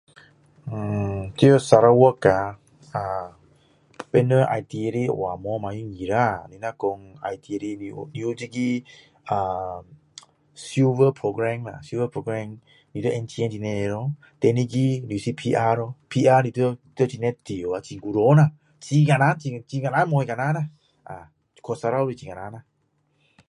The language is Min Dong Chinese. Hmm 在 Sarawak 别人要进来的话没有那么容易啦你是说要进来你有这个 silver program 你要放钱这边咯第二个你是 PR 咯 PR 你要在这里住很久很难很难太难去 Sarawak 很难啦